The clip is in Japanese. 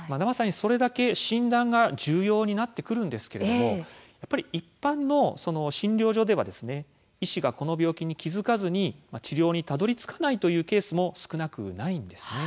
それだけ診断が重要になってくるんですけれども一般の診療所では医師がこの病気に気付かずに治療にたどりつかないというケースも少なくないんです。